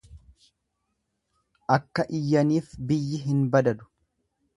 Akka iyyaniif biyyi hin badadu.